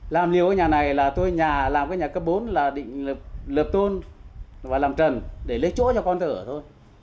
làm liều cái nhà này là tôi làm cái nhà cấp bốn là định lợp tôn và làm trần để lấy chỗ cho con thợ thôi